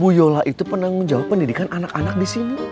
bu yola itu penanggung jawab pendidikan anak anak disini